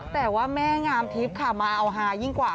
แต่ว่าแม่งามทิศเอาไฮล์ยิ่งกว่า